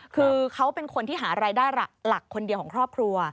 คือเขาเป็นคนที่หารายได้หลักคนเดียวของครอบครัว